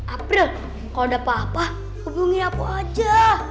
april kalo ada apa apa hubungin aku aja